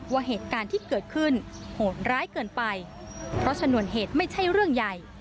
ว่าเหตุการณ์ที่เกิดขึ้นโหดร้ายเกินไปเพราะชนวนเหตุไม่ใช่เรื่องใหญ่